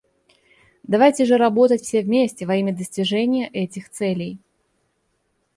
Давайте же работать все вместе во имя достижения этих целей!